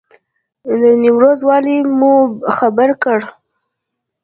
د نیمروز والي مو خبر کړ.